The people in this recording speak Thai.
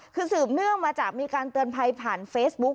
คือสืบเนื่องมาจากมีการเตือนภัยผ่านเฟซบุ๊ค